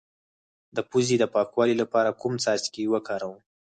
د پوزې د پاکوالي لپاره کوم څاڅکي وکاروم؟